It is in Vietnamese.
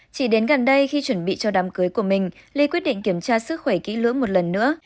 chỉ đến gần đây khi chuẩn bị cho đám cưới của mình ly quyết định kiểm tra sức khỏe kỹ lưỡng một lần nữa